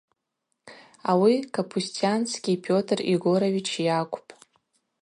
Ауи Капустянский Петр Егорович йакӏвпӏ.